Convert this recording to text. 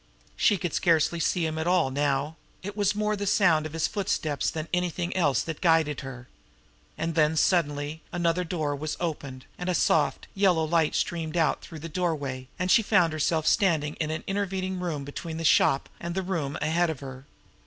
She could scarcely see him at all now; it was more the sound of his footsteps than anything else that guided her. And then suddenly another door was opened, and a soft, yellow light streamed out through the doorway, and she found that she was standing in an intervening room between the shop and the room ahead of her.